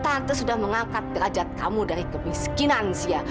tante sudah mengangkat derajat kamu dari kemiskinan sih ya